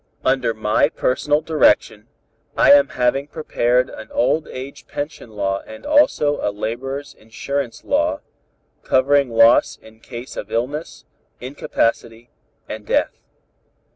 "Under my personal direction, I am having prepared an old age pension law and also a laborers' insurance law, covering loss in cases of illness, incapacity and death.